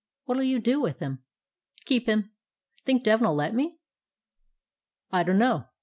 What 'll you do with him?" "Keep him. Think Devin 'll let me?" "I dunno.